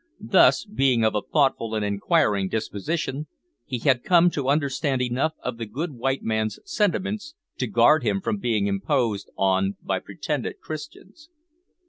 Thus, being of a thoughtful and inquiring disposition, he had come to understand enough of the good white man's sentiments to guard him from being imposed on by pretended Christians.